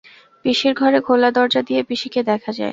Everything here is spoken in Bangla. পিসির ঘরে খোলা দরজা দিয়া পিসিকে দেখা যায়।